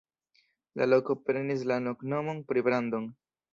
La loko prenis la loknomon pri Brandon.